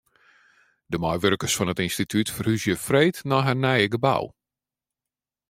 De meiwurkers fan it ynstitút ferhúzje freed nei harren nije gebou.